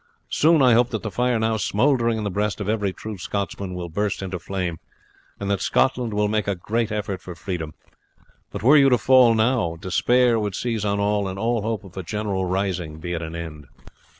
Soon I hope that the fire now smouldering in the breast of every true Scotsman will burst into flame, and that Scotland will make a great effort for freedom; but were you to fall now, despair would seize on all and all hope of a general rising be at an end."